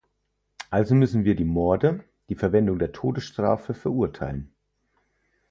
Also müssen wir die Morde, die Verwendung der Todesstrafe, verurteilen.